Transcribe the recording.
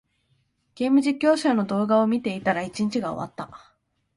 ゲーム実況者の動画を見ていたら、一日が終わった。